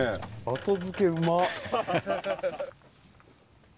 後付けうま。